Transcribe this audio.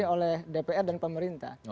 oleh dpr dan pemerintah